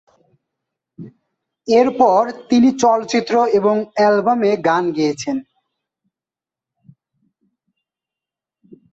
এর পর, তিনি চলচ্চিত্র এবং অ্যালবামে গান গেয়েছেন।